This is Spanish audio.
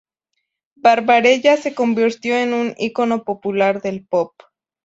Barbarella se convirtió en un icono popular del pop.